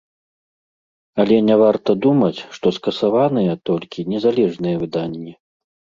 Але не варта думаць, што скасаваныя толькі незалежныя выданні.